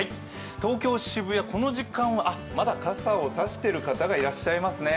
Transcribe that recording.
東京・渋谷、この時間はまだ傘を差している方がいらっしゃいますね。